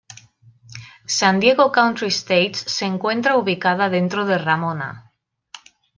San Diego Country States se encuentra ubicada dentro de Ramona.